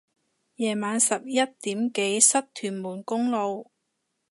夜晚十一點幾塞屯門公路